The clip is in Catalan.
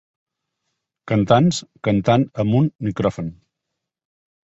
Cantants cantant en un micròfon.